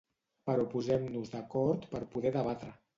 Però posem-nos d’acord per poder debatre.